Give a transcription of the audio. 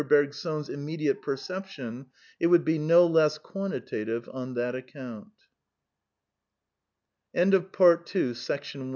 Bergson's immediate perception, it would be no less quantitative on that account I do not want to dispute M.